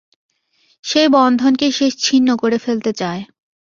সেই বন্ধনকে সে ছিন্ন করে ফেলতে চায়।